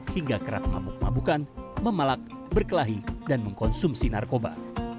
hingga kerap mabuk mabukan memalak berkelahi dan mengkonsumsi narkoba